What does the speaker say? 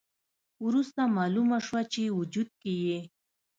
وروسته مالومه شوه چې وجود کې یې